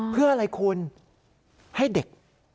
เพื่ออะไรคุณให้เด็ก